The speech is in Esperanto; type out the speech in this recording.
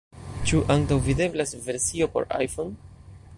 Ĉu antaŭvideblas versio por iPhone?